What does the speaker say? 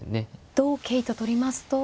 同桂と取りますと。